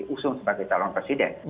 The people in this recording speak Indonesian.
usung sebagai calon presiden